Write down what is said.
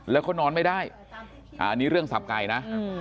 แล้วเขานอนไม่ได้อันนี้เรื่องสับไก่นะ